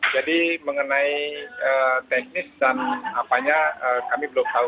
mengenai teknis dan apanya kami belum tahu